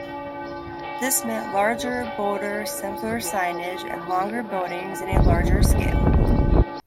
This meant larger, bolder, simpler signage and longer buildings in a larger scale.